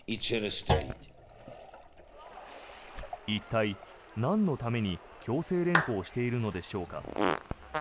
一体、なんのために強制連行しているのでしょうか。